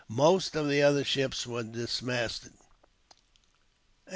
Most of the other ships were dismasted.